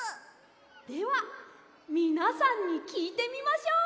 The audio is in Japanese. ではみなさんにきいてみましょう！